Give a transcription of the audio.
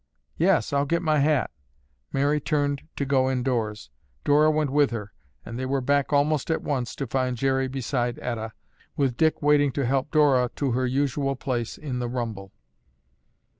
"Yes, I'll get my hat." Mary turned to go indoors. Dora went with her and they were back almost at once to find Jerry beside Etta, with Dick waiting to help Dora to her usual place in the rumble.